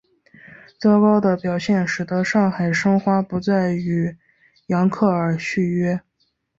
糟糕的表现使得上海申花不再与扬克尔续约。